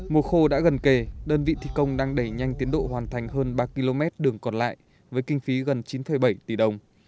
mùa khô đã gần kề đơn vị thi công đang đẩy nhanh tiến độ hoàn thành hơn ba km đường còn lại với kinh phí gần chín bảy tỷ đồng